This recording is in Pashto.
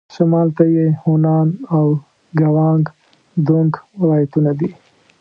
شمال ته یې هونان او ګوانګ دونګ ولايتونه دي.